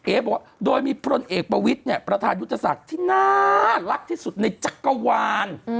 บอกว่าโดยมีพลเอกประวิทย์เนี่ยประธานยุทธศักดิ์ที่น่ารักที่สุดในจักรวาล